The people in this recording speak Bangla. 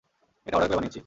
এটা অর্ডার করে বানিয়েছি।